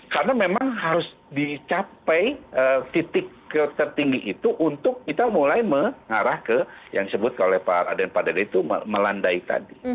karena memang harus dicapai titik tertinggi itu untuk kita mulai mengarah ke yang disebut oleh pak raden pak dede itu melandai tadi